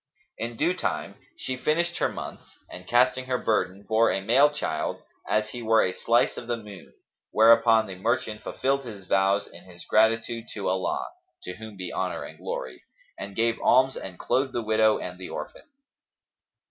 In due time she finished her months and, casting her burden, bore a male child as he were a slice of the moon; whereupon the merchant fulfilled his vows in his gratitude to Allah, (to whom be honour and glory!) and gave alms and clothed the widow and the orphan.